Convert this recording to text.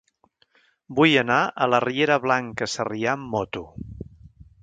Vull anar a la riera Blanca Sarrià amb moto.